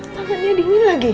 tangannya dingin lagi